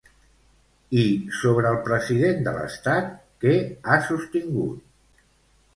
I sobre el president de l'estat què ha sostingut?